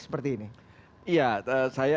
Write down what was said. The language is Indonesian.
seperti ini iya saya